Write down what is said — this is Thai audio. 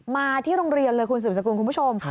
มาที่โรงเรียนเลยคุณสืบสกุลคุณผู้ชม